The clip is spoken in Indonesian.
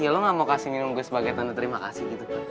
iya lo ga mau kasih minum gue sebagai tanda terima kasih gitu kan